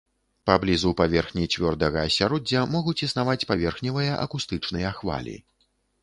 Паблізу паверхні цвёрдага асяроддзя могуць існаваць паверхневыя акустычныя хвалі.